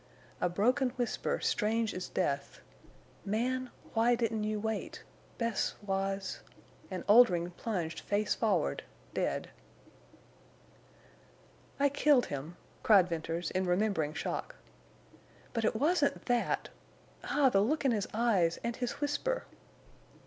A broken whisper, strange as death: "Man—why—didn't—you wait! Bess—was—" And Oldring plunged face forward, dead. "I killed him," cried Venters, in remembering shock. "But it wasn't that. Ah, the look in his eyes and his whisper!"